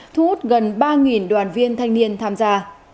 thu hút gần ba đoàn viên thanh niên tham gia